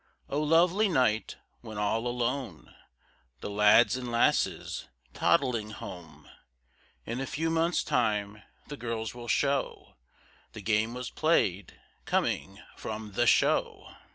Oh, lovely night, when all alone, The lads and lasses toddling home; In a few months' time the girls will show The game was played coming from the Show.